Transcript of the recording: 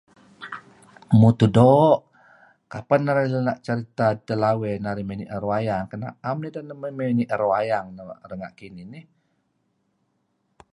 Mutuh doo' kapeh narih la' cerita lawey narih may nier wayang, naem ideh may nier wayang renga' kinih nih,